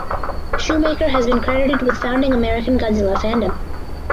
Shoemaker has been credited with founding American Godzilla fandom.